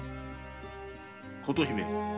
琴姫。